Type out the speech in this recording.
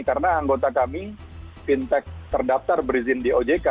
karena anggota kami fintech terdaftar berizin di ojk